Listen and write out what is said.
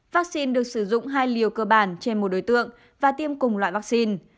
vaccine được sử dụng hai liều cơ bản trên một đối tượng và tiêm cùng loại vaccine